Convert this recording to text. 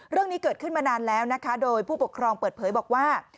เรื่องนี้เกิดขึ้นมานานแล้วนะคะโดยผู้ปกครองเปิดเผยบอกว่า